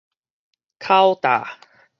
口罩